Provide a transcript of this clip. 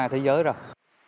thế giới rồi